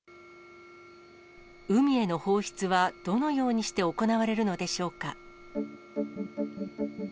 海への放出はどのようにして行われるのでしょうか。